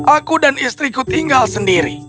aku dan istriku tinggal sendiri